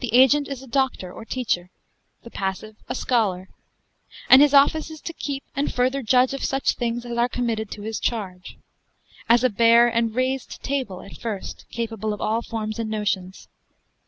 The agent is a doctor or teacher, the passive a scholar; and his office is to keep and further judge of such things as are committed to his charge; as a bare and rased table at first, capable of all forms and notions.